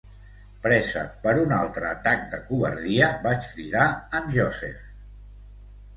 Presa per un altre atac de covardia, vaig cridar en Joseph.